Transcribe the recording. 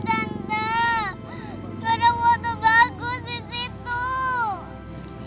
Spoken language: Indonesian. gak ada foto bagus di situ